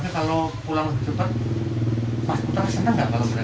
kami juga mencari jalan untuk mencari jalan